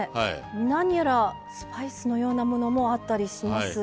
何やらスパイスのようなものもあったりしますが。